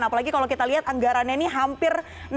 apalagi kalau kita lihat anggarannya ini hampir